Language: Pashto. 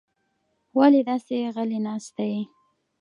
ولې داسې غلې ناسته یې؟